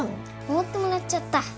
おごってもらっちゃった。